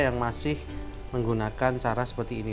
yang masih menggunakan cara seperti ini